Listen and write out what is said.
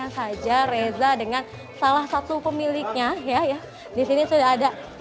langsung saja reza dengan salah satu pemiliknya ya disini sudah ada